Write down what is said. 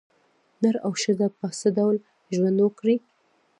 نر او ښځه په څه ډول ژوند وکړي.